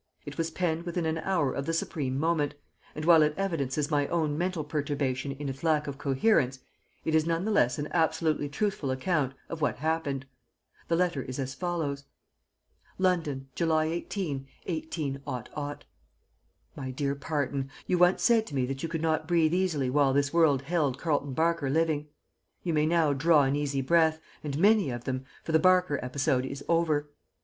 It was penned within an hour of the supreme moment, and while it evidences my own mental perturbation in its lack of coherence, it is none the less an absolutely truthful account of what happened. The letter is as follows: "LONDON, July 18, 18 . "My Dear Parton, You once said to me that you could not breathe easily while this world held Carleton Barker living. You may now draw an easy breath, and many of them, for the Barker episode is over.